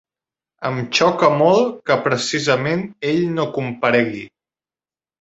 Em xoca molt que precisament ell no comparegui.